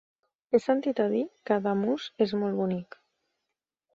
He sentit a dir que Ademús és molt bonic.